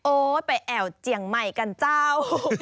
ไปแอวเจียงใหม่กันเจ้า